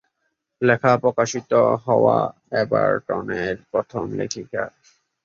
লেখা প্রকাশিত হওয়া এভারটনের প্রথম লেখিকা।